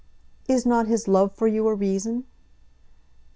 "Is not his love for you a reason?"